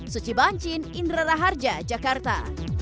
suci bancin indra raharja jakarta